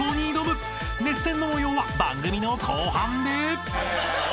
［熱戦の模様は番組の後半で！］